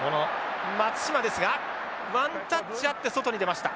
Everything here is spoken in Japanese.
松島ですがワンタッチあって外に出ました。